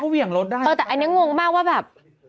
เขาเวี่ยงรถได้อันนี้งงมากว่าแบบ